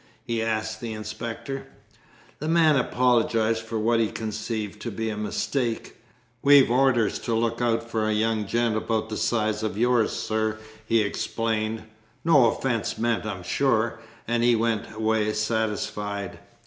he asked the inspector. The man apologised for what he conceived to be a mistake. "We've orders to look out for a young gent about the size of yours, sir," he explained; "no offence meant, I'm sure," and he went away satisfied.